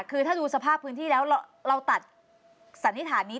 คือถ้าดูสภาพพื้นที่แล้วเราตัดสันนิษฐานนี้